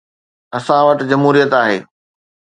اسان وٽ جمهوريت آهي.